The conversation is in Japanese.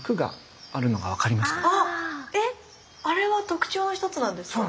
えあれは特徴の一つなんですか？